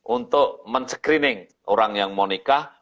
untuk men screening orang yang mau nikah